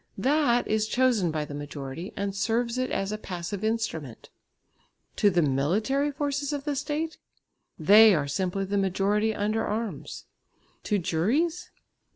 That is chosen by the majority and serves it as a passive instrument. To the military forces of the State? They are simply the majority under arms. To juries?